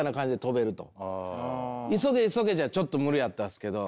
急げ急げじゃちょっと無理やったんですけど。